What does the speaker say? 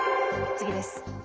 次です。